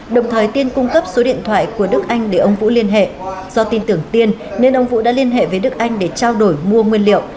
đồng thời tiên cung cấp số điện thoại của đức anh để ông vũ liên hệ do tin tưởng tiên nên ông vũ đã liên hệ với đức anh để trao đổi mua nguyên liệu